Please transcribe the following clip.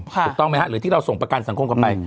ถูกต้องไหมฮะหรือที่เราส่งประกันสังคมกันไป